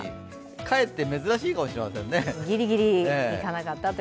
かえって珍しいかもしれませんね。